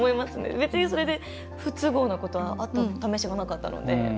別にそれで不都合なことはあったためしはなかったので。